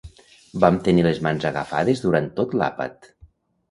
Vam tenir les mans agafades durant tot l'àpat.